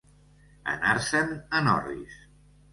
Anar-se'n en orris.